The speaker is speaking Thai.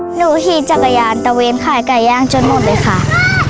หนูขีดจากก๋ายานตะเว้นขายไก่ย่างจนหมดเลยค่ะ